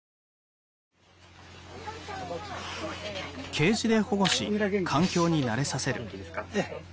ケージで保護し環境に慣れさせる。